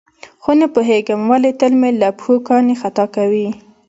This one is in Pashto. خو نه پوهېږم ولې تل مې له پښو کاڼي خطا کوي.